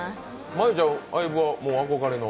真悠ちゃん、ＩＶＥは憧れの？